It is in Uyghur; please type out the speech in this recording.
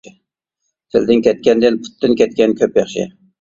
تىلدىن كەتكەندىن پۇتتىن كەتكەن كۆپ ياخشى.